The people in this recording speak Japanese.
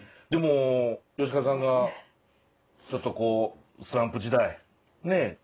でも慶和さんがちょっとこうスランプ時代ねえ。